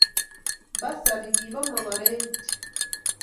basari kibo mogorik kityo